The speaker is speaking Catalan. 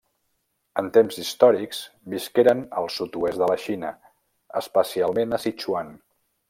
En temps històrics visqueren al sud-oest de la Xina, especialment a Sichuan.